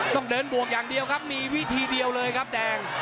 ต้องเดินบวกอย่างเดียวครับมีวิธีเดียวเลยครับแดง